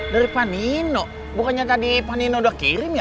dari pak nino bukannya tadi pak nino udah kirim ya